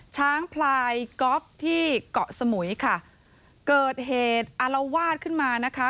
ช้างพลายก๊อฟที่เกาะสมุยค่ะเกิดเหตุอารวาสขึ้นมานะคะ